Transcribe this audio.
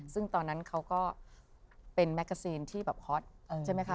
ซึ่งตอนนั้นเขาก็เป็นแมกกาซีนที่แบบฮอตใช่ไหมคะ